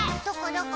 どこ？